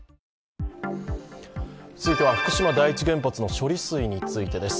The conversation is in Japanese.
続いては福島第一原発の処理水についてです